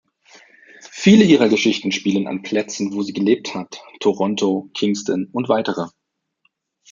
Viele ihrer Geschichten spielen an Plätzen, wo sie gelebt hat, Toronto, Kingston und weitere.